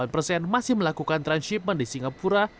empat puluh delapan persen masih melakukan transhipment di singapura